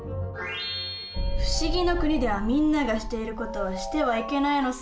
不思議の国ではみんながしている事はしてはいけないのさ。